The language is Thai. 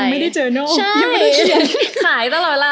ยังไม่ได้ดรอย์ไม่ได้เขียง